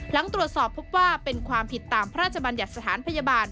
หลังตรวจสอบพบว่าเป็นความผิดตามพระราชบัญญัติสถานพยาบาล